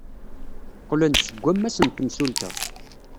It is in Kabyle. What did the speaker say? Qqlen-d seg wammas n temsulta.